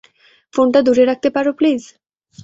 ফোনটা দুরে রাখতে পারো, প্লিজ?